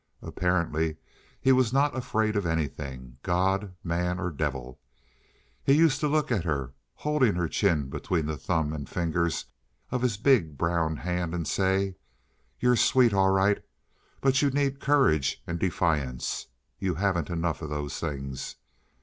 Apparently he was not afraid of anything—God, man, or devil. He used to look at her, holding her chin between the thumb and fingers of his big brown hand, and say: "You're sweet, all right, but you need courage and defiance. You haven't enough of those things."